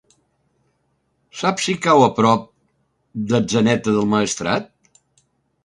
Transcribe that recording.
Saps si cau a prop d'Atzeneta del Maestrat?